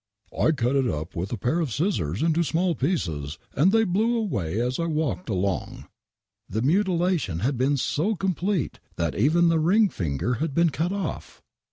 ''I cut it up with a pair of scissors into small pieces, and> they blew away as I walked along." The mutilation had been so complete that even the ring finger had been cut off.